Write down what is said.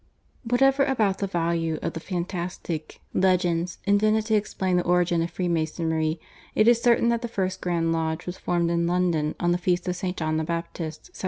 Whatever about the value of the fantastic legends invented to explain the origin of Freemasonry it is certain that the first grand lodge was formed in London on the Feast of St. John the Baptist (1717).